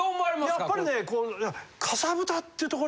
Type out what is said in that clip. やっぱりねこう。